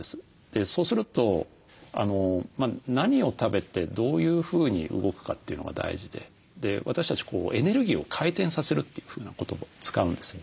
そうすると何を食べてどういうふうに動くかというのが大事で私たちエネルギーを回転させるというふうな言葉を使うんですね。